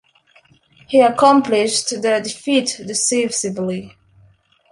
He accomplished their defeat, decisively.